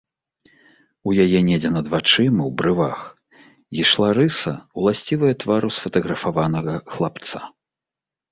У яе недзе над вачыма, у брывах, ішла рыса, уласцівая твару сфатаграфаванага хлапца.